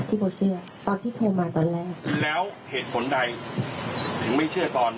โบเชื่อตอนที่โทรมาตอนแรกแล้วเหตุผลใดถึงไม่เชื่อตอน